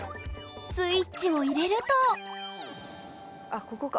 スイッチを入れるとあっここか。